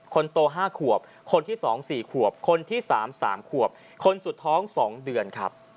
คนโต๕ขวบคนที่๒๔ขวบคนที่๓๓ขวบคนสุดท้อง๒เดือนครับ